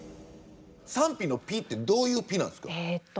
賛否の否ってどういう否なんですか？